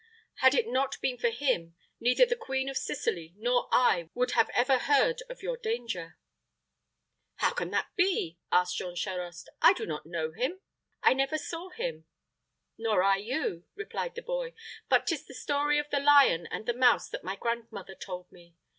"Had it not been for him, neither the Queen of Sicily nor I would ever have heard of your danger." "How can that be?" asked Jean Charost. "I do not know him I never saw him." "Nor I you," replied the boy; "but 'tis the story of the lion and the mouse that my grandmother told me.